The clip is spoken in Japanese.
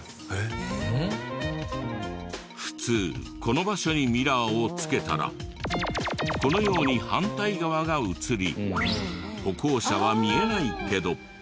普通この場所にミラーをつけたらこのように反対側が映り歩行者は見えないけど。